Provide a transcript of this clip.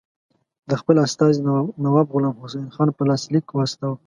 د خپل استازي نواب غلام حسین خان په لاس لیک واستاوه.